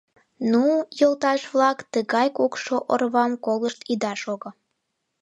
Ну, йолташ-влак, тыгай кукшо орвам колышт ида шого.